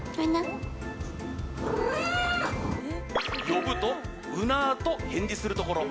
呼ぶと、うなと返事するところ。